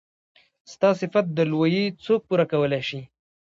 ستا صفت د لويي څوک پوره کولی شي.